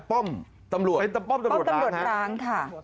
ป้อมตำรวจร้าง